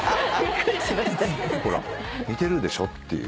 ほら似てるでしょっていう。